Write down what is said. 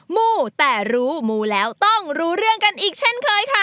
มูแต่รู้มูแล้วต้องรู้เรื่องกันอีกเช่นเคยค่ะ